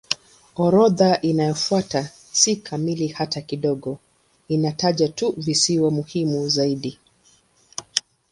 Orodha inayofuata si kamili hata kidogo; inataja tu visiwa muhimu zaidi.